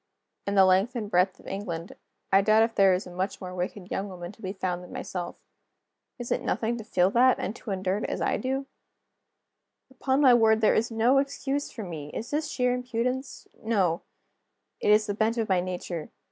In the length and breadth of England, I doubt if there is a much more wicked young woman to be found than myself. Is it nothing to feel that, and to endure it as I do? Upon my word, there is no excuse for me! Is this sheer impudence? No; it is the bent of my nature.